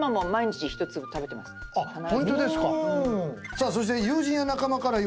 さあそして。